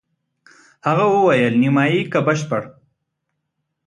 هغه وویل: نیمایي که بشپړ؟